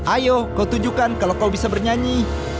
ayo kau tunjukkan kalau kau bisa bernyanyi